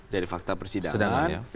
dari fakta persidangan